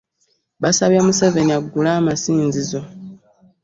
Basabye Museveni aggule amasinzizo